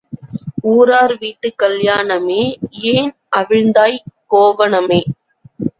ஊரார் வீட்டுக் கல்யாணமே ஏன் அவிழ்ந்தாய் கோவணமே!